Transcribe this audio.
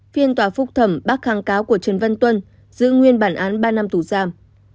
phiên tòa phúc thẩm bác kháng cáo của trần văn tuân giữ nguyên bản án ba năm tù giam